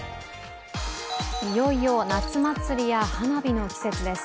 いよいよ夏祭りや花火の季節です。